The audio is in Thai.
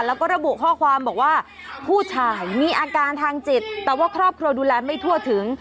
แล้วก็ระบุข้อความบอกว่าผู้ชายมีอาการทางจิตแต่ว่าครอบครัวดูแลไม่ทั่วถึง